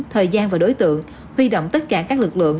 thời gian và đối tượng huy động tất cả các lực lượng